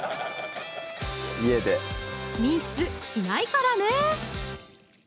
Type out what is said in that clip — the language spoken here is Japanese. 家でミスしないからね